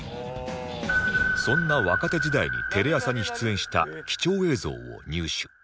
そんな若手時代にテレ朝に出演した貴重映像を入手